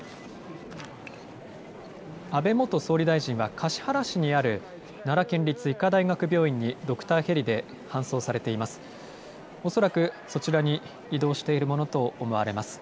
安倍元総理大臣は橿原市にある、奈良県立医科大学病院に、ドクターヘリで搬送されています。